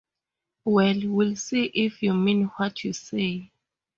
Well, we'll see if you mean what you say.